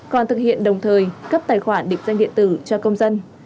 còn thực hiện đồng thời cấp tài khoản định danh điện tử cho công dân